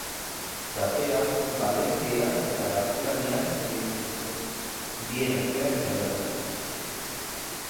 Katea valentzieraz eta gaztelaniaz emititzen zuen, bien artean txandakatuz.